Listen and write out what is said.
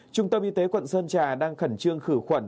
trung tâm y tế quận sơn trà đang khẩn trương khử khuẩn